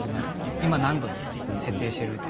今、何度に設定していると。